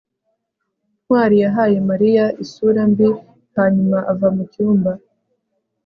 ntwali yahaye mariya isura mbi hanyuma ava mucyumba